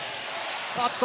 あっと！